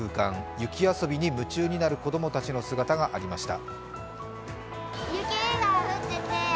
雪遊びに夢中になる子供たちの姿がありました。